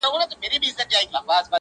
شاته هیڅ څوک نه سي تللای دا قانون دی -